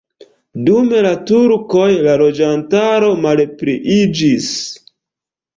Dum la turkoj la loĝantaro malpliiĝis.